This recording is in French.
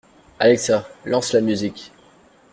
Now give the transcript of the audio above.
Alexa, lance la musique.